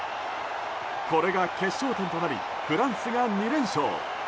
これが決勝点となりフランスが２連勝。